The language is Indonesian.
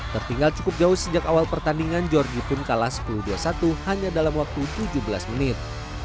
tertinggal cukup jauh sejak awal pertandingan georgie pun kalah sepuluh dua puluh satu hanya dalam waktu tujuh belas menit